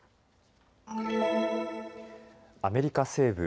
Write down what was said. アメリカ西部